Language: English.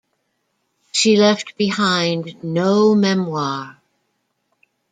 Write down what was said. She left behind no memoir.